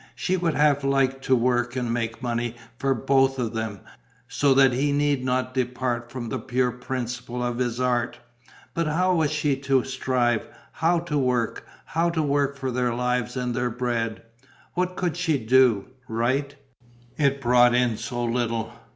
She would have liked to work and make money for both of them, so that he need not depart from the pure principle of his art. But how was she to strive, how to work, how to work for their lives and their bread? What could she do? Write? It brought in so little.